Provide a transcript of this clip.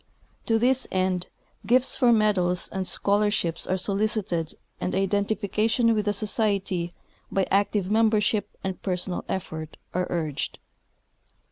To this end, gifts for medals and scholarships are solicited, and identification with the Society by active membership and personal effort is suggested.